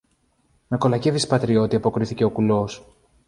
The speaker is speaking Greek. Με κολακεύεις, πατριώτη, αποκρίθηκε ο κουλός